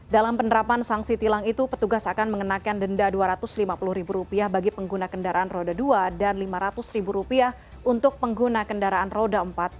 dalam penerapan sanksi tilang itu petugas akan mengenakan denda rp dua ratus lima puluh bagi pengguna kendaraan roda dua dan rp lima ratus untuk pengguna kendaraan roda empat